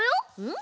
ん？